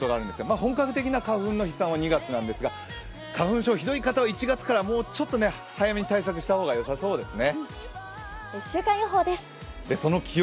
本格的な花粉の飛散は２月なんですが、花粉症ひどい方は１月から早めに対策した方がよさそうですね。